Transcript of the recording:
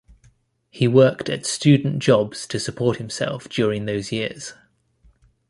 He worked at student jobs to support himself during those years.